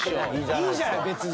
いいじゃない別に。